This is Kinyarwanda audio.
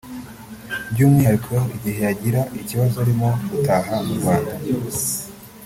by’umwihariko igihe yagira ikibazo arimo gutaha mu Rwanda